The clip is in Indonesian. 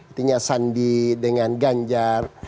artinya sandi dengan ganjar